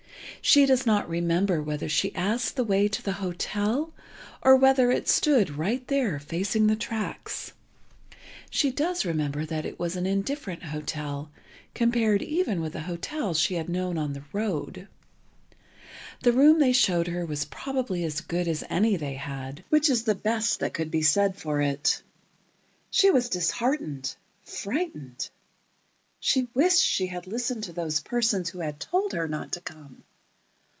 She does not remember whether she asked the way to the hotel, or whether it stood right there, facing the tracks. She does remember that it was an indifferent hotel, compared even with the hotels she had known on the road. The room they showed her was probably as good as any they had, which is the best that could be said for it. She was disheartened—frightened. She wished she had listened to those persons who had told her not to come.